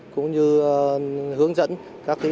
cũng như hướng dẫn các mô hình